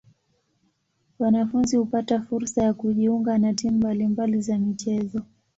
Wanafunzi hupata fursa ya kujiunga na timu mbali mbali za michezo.